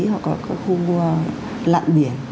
hoặc các khu lặn biển